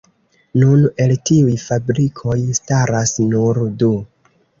Nun el tiuj fabrikoj staras nur du.